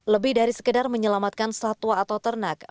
lebih dari sekedar menyelamatkan satwa atau ternak